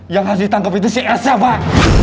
yang harus ditangkep itu si elsa pak